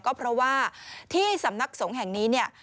ก็เพราะว่าที่สำนักสงฆ์แห่งนี้เนี่ย